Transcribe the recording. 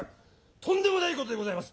とんでもないことでございます！